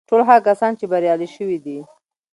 ټول هغه کسان چې بريالي شوي دي.